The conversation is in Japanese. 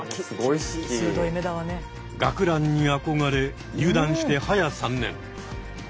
学ランに憧れ入団してはや３年。